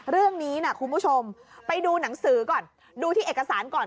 เรื่องนี้นะคุณผู้ชมไปดูหนังสือก่อนดูที่เอกสารก่อน